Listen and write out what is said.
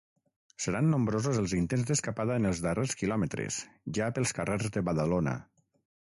Seran nombrosos els intents d'escapada en els darrers quilòmetres, ja pels carrers de Badalona.